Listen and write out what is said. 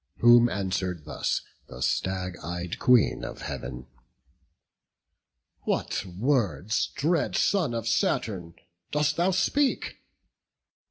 Whom, answer'd thus the stag ey'd Queen of Heav'n: "What words, dread son of Saturn, dost thou speak?